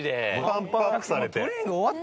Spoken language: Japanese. パンプアップされて。